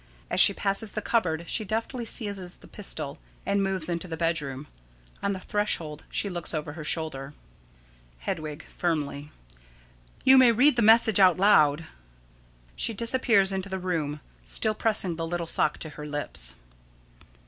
As she passes the cupboard she deftly seizes the pistol, and moves into the bedroom. On the threshold she looks over her shoulder._] Hedwig: [Firmly.] You may read the message out loud. [_She disappears into the room, still pressing the little sock to her lips.